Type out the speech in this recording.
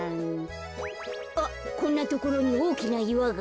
あっこんなところにおおきないわが。